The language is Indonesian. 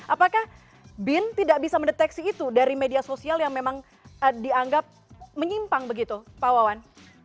apakah bin tidak bisa mendeteksi itu dari media sosial yang memang dianggap menyimpang begitu pak wawan